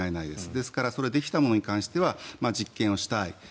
ですから、できたものに関しては実験をしたい。